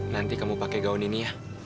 nanti kamu pakai gaun ini ya